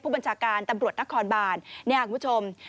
ผู้บัญชาการตำรวจนครบาลนะครับคุณผู้ชม